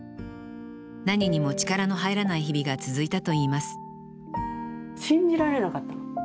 何にも力の入らない日々が続いたといいます信じられなかったの。